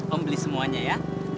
om beli semuanya ya